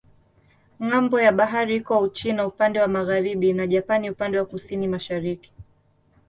Ng'ambo ya bahari iko Uchina upande wa magharibi na Japani upande wa kusini-mashariki.